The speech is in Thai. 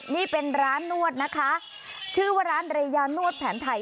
นี่เป็นร้านนวดนะคะชื่อว่าร้านเรยานวดแผนไทย